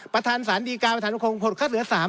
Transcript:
ประธานสารดีการประธานคงคัดเหลือ๓๐